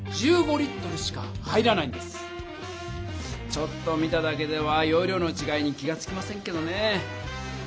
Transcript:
ちょっと見ただけではよう量のちがいに気がつきませんけどね。